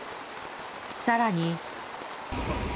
更に。